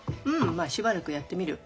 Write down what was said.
まあしばらくやってみる。